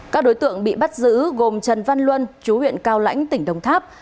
các đối tượng bị bắt giữ gồm trần văn luân chú huyện cao lãnh tỉnh đồng tháp